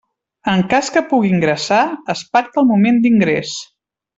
En cas que pugui ingressar, es pacta el moment d'ingrés.